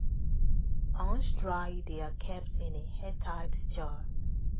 Once dry, they are kept in an airtight jar.